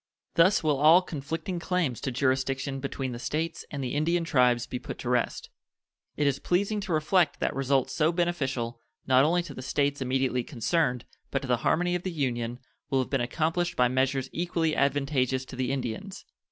Thus will all conflicting claims to jurisdiction between the States and the Indian tribes be put to rest. It is pleasing to reflect that results so beneficial, not only to the States immediately concerned, but to the harmony of the Union, will have been accomplished by measures equally advantageous to the Indians.